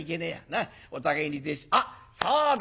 あっそうだ！